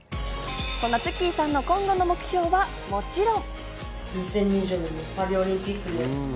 そんなＴＳＵＫＫＩさんの今後の目標はもちろん。